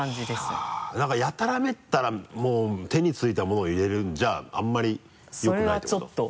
はぁなんかやたらめったらもう手についたものを入れるんじゃああんまりよくないってこと？